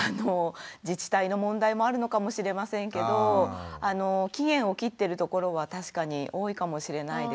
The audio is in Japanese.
自治体の問題もあるのかもしれませんけど期限を切ってる所は確かに多いかもしれないですね。